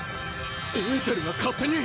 エーテルが勝手に！